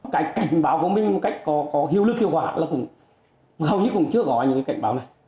cái cảnh báo của mình một cách có hiệu lực hiệu quả là cũng hầu như cũng chưa có những cái cảnh báo này